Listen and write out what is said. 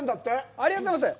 ありがとうございます。